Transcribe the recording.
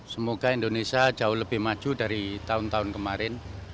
semoga indonesia jauh lebih maju dari tahun tahun kemarin